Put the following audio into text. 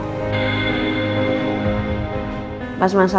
mas al nyamperin ke mall ternyata randy bareng sama feli sekretarisnya mas al